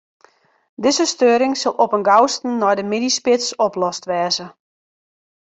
Dizze steuring sil op 'en gausten nei de middeisspits oplost wêze.